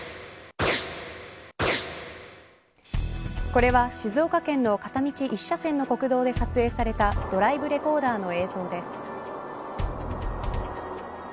これは静岡県の片道１車線の国道で記録されたドライブレコーダーの映像です。